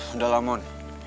udah lah mon